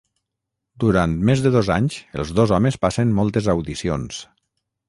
Durant més de dos anys els dos homes passen moltes audicions.